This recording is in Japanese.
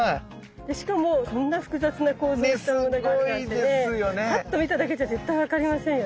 しかもこんな複雑な構造したものがあるなんてねパッと見ただけじゃ絶対分かりませんよね。